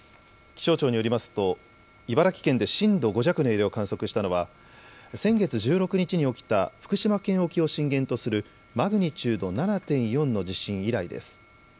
気象庁によりますと茨城県で震度５弱の揺れを観測したのは先月１６日に起きた福島県沖を震源とするマグニチュード７．４の地震以来です。